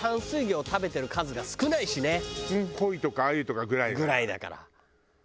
鯉とか鮎とかぐらいじゃない？ぐらいだから。